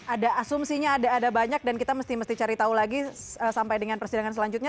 ada asumsinya ada banyak dan kita mesti mesti cari tahu lagi sampai dengan persidangan selanjutnya